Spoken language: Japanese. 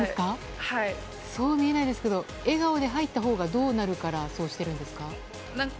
そう見えないですけど笑顔で入ったほうがどうなるからそうしてるんですか？